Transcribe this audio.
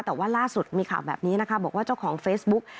แต่ว่าล่าสุดมีข่าวแบบนี้นะคะบอกว่าเจ้าของเฟซบุ๊ก